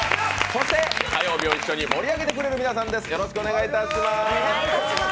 そして火曜日を一緒に盛り上げてくれる皆さんです。